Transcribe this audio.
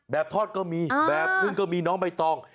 ทอดก็มีแบบนึงก็มีน้องใบตอง